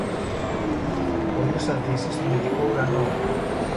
Ο ήλιος θα δύσει στον δυτικό ουρανό.